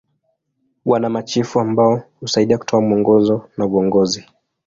Wana machifu ambao husaidia kutoa mwongozo na uongozi.